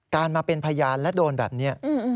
มาเป็นพยานและโดนแบบนี้